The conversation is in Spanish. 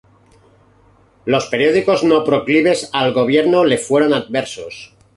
Los periódicos no proclives al gobierno le fueron adversos.